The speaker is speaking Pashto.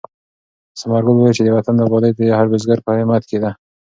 ثمر ګل وویل چې د وطن ابادي د هر بزګر په همت کې ده.